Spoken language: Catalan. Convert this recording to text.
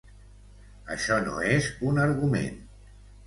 Això no és un argument.